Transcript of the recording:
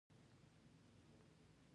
هغه هڅه وکړه چې د روحانیت پیغام وړاندې کړي.